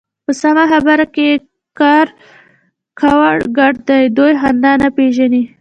په سمه خبره کې يې کاوړ ګډ دی. دوی خندا نه پېژني.